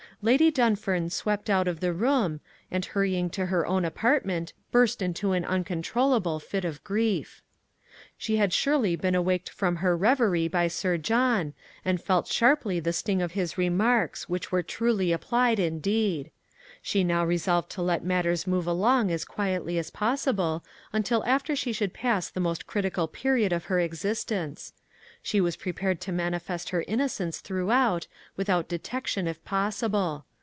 Lady Dunfern swept out of the room, and hurrying to her own apartment, burst into an uncontrollable fit of grief. She had surely been awaked from her reverie by Sir John, and felt sharply the sting of his remarks, which were truly applied, indeed. She now resolved to let matters move along as quietly as possible until after she should pass the most critical period of her existence. She was prepared to manifest her innocence throughout, without detection if possible.